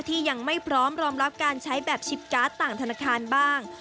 ที่ยังไม่พร้อมรองรับการใช้แบบชิปการ์ดต่างธนาคารบ้าง